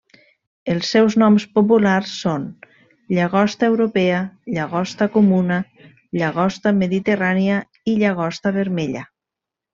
Els seus noms populars són llagosta europea, llagosta comuna, llagosta mediterrània i llagosta vermella.